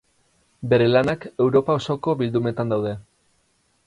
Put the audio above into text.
Bere lanak Europa osoko bildumetan daude.